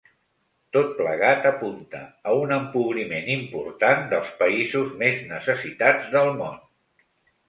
Tot plegat apunta a un empobriment important dels països més necessitats del món.